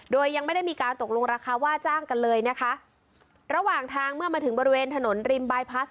โดยยังไม่ได้มีการตกลงราคาว่าจ้างกันเลยนะคะระหว่างทางเมื่อมาถึงบริเวณถนนริมบายพลัส